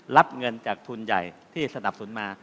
รับเงินจากทุนใหญ่ที่สนับสนุนมา